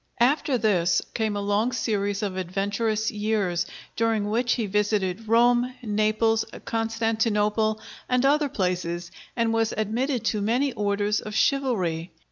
After this came a long series of adventurous years, during which he visited Rome, Naples, Constantinople, and other places, and was admitted to many orders of chivalry.